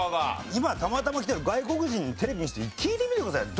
今たまたま来てる外国人にテレビ見せて聞いてみてくださいよ。